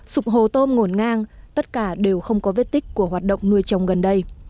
sụp hồ tôm ngổn ngang tất cả đều không có vết tích của hoạt động nuôi trồng gần đây